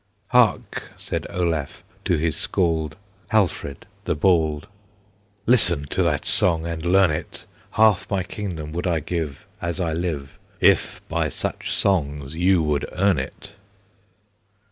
"Hark!" said Olaf to his Scald, Halfred the Bald, "Listen to that song, and learn it! Half my kingdom would I give, As I live, If by such songs you would earn it!